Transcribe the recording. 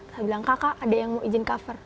saya bilang kakak ada yang mau izin cover